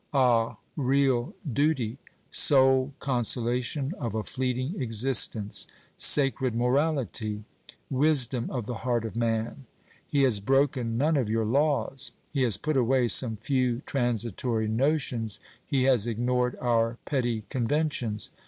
... Ah real duty ! Sole con solation of a fleeting existence ! Sacred morality ! Wisdom of the heart of man ! He has broken none of your laws. He has put away some few transitory notions, he has ignored our petty conventions.